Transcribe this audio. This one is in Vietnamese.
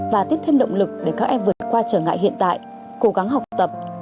và tiếp thêm động lực để các em vượt qua trở ngại hiện tại cố gắng học tập